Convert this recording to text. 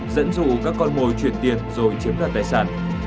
dẫn dụ các con mồi chuyển tiền rồi chiếm đoạt tài sản